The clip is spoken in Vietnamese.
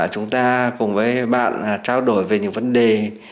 chúng ta cùng với bạn trao đổi về những vấn đề